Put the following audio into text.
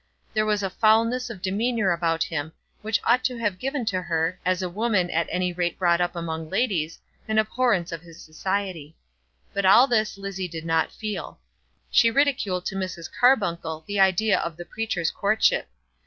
There was a foulness of demeanour about him which ought to have given to her, as a woman at any rate brought up among ladies, an abhorrence of his society. But all this Lizzie did not feel. She ridiculed to Mrs. Carbuncle the idea of the preacher's courtship.